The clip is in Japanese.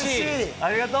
ありがとう。